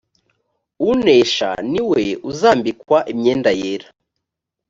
unesha ni we uzambikwa imyenda yera